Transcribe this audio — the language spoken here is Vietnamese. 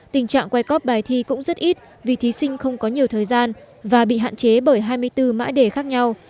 tình trạng quay cóp bài thi cũng rất ít vì thí sinh không có nhiều thời gian và bị hạn chế bởi hai mươi bốn mã đề khác nhau